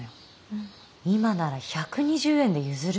今なら１２０円で譲るって。